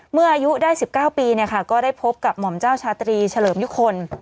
เมื่ออายุได้๑๙ปีก็ได้พบกับหม่อมเจ้าชาตรีเฉลิมยุคล